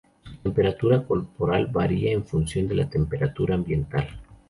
Su temperatura corporal varía en función de la temperatura ambiental.